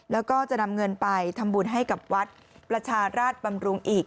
แล้วก็จะนำเงินไปทำบุญให้กับวัดประชาราชบำรุงอีก